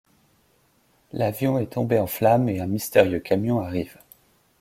L'avion est tombé en flammes et un mystérieux camion arrive.